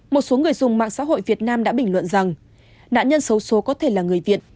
một số người dùng mạng xã hội việt nam đã bình luận rằng nạn nhân xấu xố có thể là người việt